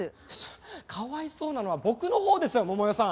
かわいそうなのは僕のほうですよ桃代さん！